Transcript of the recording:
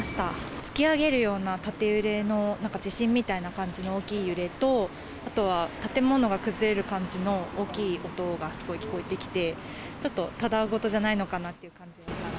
突き上げるような縦揺れの、地震みたいな大きい揺れと、あとは建物が崩れる感じの大きい音がすごい聞こえてきて、ちょっとただ事じゃないのかなって感じで。